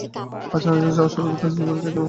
আচার-আচরণে অস্বাভাবিকতা এসে পড়েছে একারণেই।